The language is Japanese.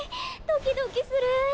ドキドキする。